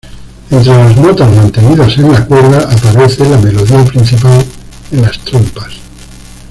Entre las notas mantenidas en la cuerda, aparece la melodía principal en las trompas.